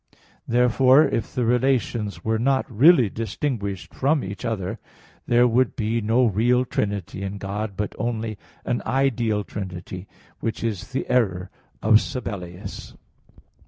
Therefore, if the relations were not really distinguished from each other, there would be no real trinity in God, but only an ideal trinity, which is the error of Sabellius.